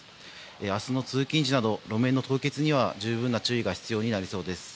明日の通勤時など路面の凍結には十分な注意が必要です。